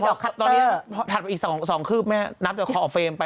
เห็นไหมแต่พอตอนนี้ถัดไปอีก๒คืบแม่นับจะขอออกเฟรมไป